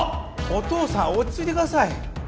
お父さん落ち着いてください